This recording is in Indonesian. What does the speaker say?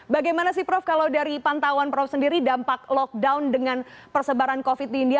bagaimana sih prof kalau dari pantauan prof sendiri dampak lockdown dengan persebaran covid di india